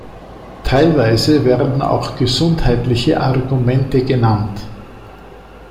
Teilweise werden auch gesundheitliche Argumente genannt.